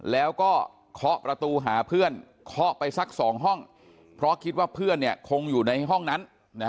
แล้วก็เคาะประตูหาเพื่อนเคาะไปสัก๒ห้องเพราะคิดว่าเพื่อนคงอยู่ในห้องนั้น